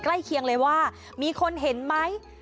ใกล้เคียงเลยว่ามีคนเห็นไหม